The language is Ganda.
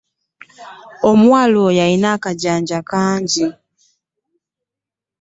Omuwala oyo alina kajjanja kangi.